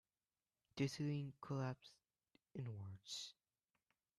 The ceiling collapsed inwards.